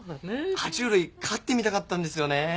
爬虫類飼ってみたかったんですよねえ。